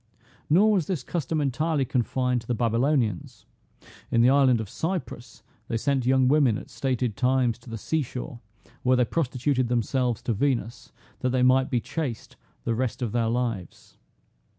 Nor was this custom entirely confined to the Babylonians; in the island of Cyprus they sent young women at stated times to the sea shore, where they prostituted themselves to Venus, that they might be chaste the rest of their lives.